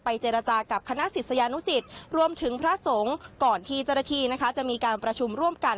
ไปเจรจากับคณะศิษยานุสิทธิ์ร่วมถึงพระสงฆ์ก่อนที่เจรถีจะมีการประชุมร่วมกัน